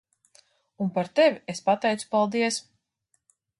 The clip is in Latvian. Un par tevi es pateicu paldies.